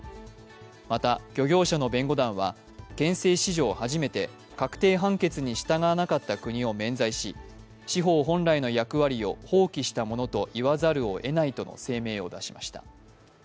また、漁業者の弁護団は、憲政史上初めて確定判決に従わなかった国を免罪し、司法本来の役割を放棄したものと言わざるをえないとの声明を出しました。